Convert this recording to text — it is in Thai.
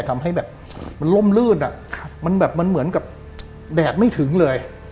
ทำให้แบบมันล่มลื่นอ่ะมันแบบมันเหมือนกับแดดไม่ถึงเลย